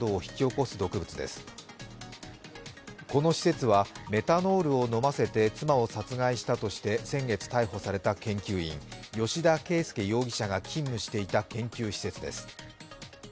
この施設はメタノールを飲ませて、妻を殺害したとして先月逮捕された研究員、吉田佳右容疑者が勤務していた施設です。